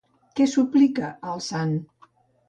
Què suplica al sant?